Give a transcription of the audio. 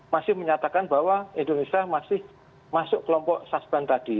masih menyatakan bahwa indonesia masih masuk kelompok sasban tadi